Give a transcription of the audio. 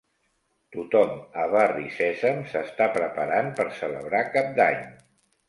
Tothom a Barri Sèsam s'està preparant per celebrar Cap d'Any.